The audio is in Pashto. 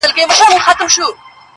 لوستونکي پرې فکر کوي ډېر-